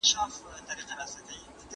ليکوال بايد يوازي د خپل ځان لپاره ونه ليکي.